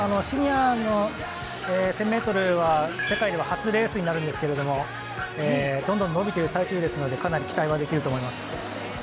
シニアの１０００ｍは世界では初レースになるんですがどんどん伸びている最中ですのでかなり期待はできると思います。